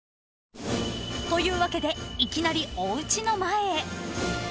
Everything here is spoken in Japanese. というわけでいきなりおうちの前へ］